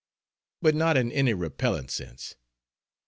But not in any repellent sense.